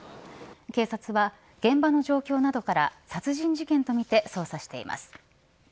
警察は現場の状況などから殺人事件とみて捜査しています。